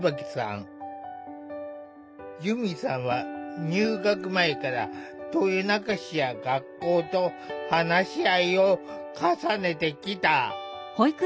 佑美さんは入学前から豊中市や学校と話し合いを重ねてきた。